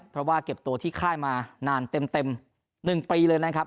เพราะว่าเก็บตัวที่ค่ายมานานเต็ม๑ปีเลยนะครับ